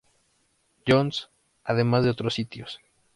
Johns, además de otros sitios.